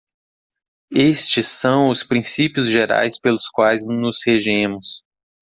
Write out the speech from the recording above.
Estes são os princípios gerais pelos quais nos regemos.